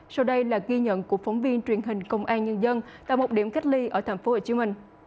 sau đây là ghi nhận của phóng viên truyền hình công an nhân dân tại một điểm cách ly ở tp hcm